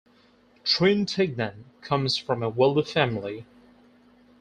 Trintignant comes from a wealthy family.